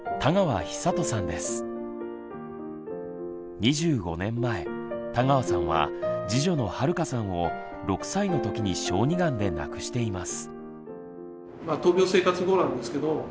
２５年前田川さんは次女のはるかさんを６歳のときに小児がんで亡くしています。